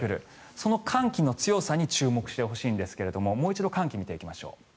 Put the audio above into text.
その寒気の強さに注目してほしいんですけれどもう一度寒気を見ていきましょう。